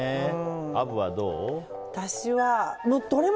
アブはどう？